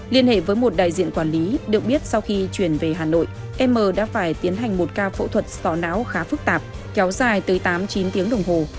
liên hệ với một đại diện quản lý được biết sau khi chuyển về hà nội em đã phải tiến hành một ca phẫu thuật sò não khá phức tạp kéo dài tới tám chín tiếng đồng hồ